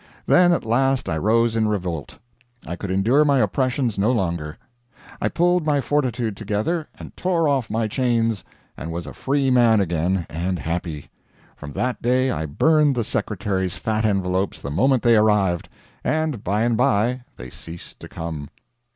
Then at last I rose in revolt. I could endure my oppressions no longer. I pulled my fortitude together and tore off my chains, and was a free man again, and happy. From that day I burned the secretary's fat envelopes the moment they arrived, and by and by they ceased to come.